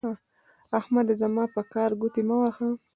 احمده زما پر کار ګوتې مه وهه.